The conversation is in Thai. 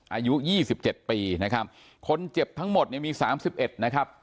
อายุ๒๗ปีนะครับคนเจ็บทั้งหมดมี๓๑นะครับ